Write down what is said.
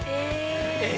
え！